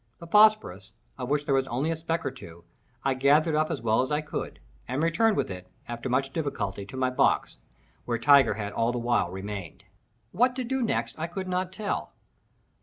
The phosphorus, of which there was only a speck or two, I gathered up as well as I could, and returned with it, after much difficulty, to my box, where Tiger had all the while remained. What to do next I could not tell.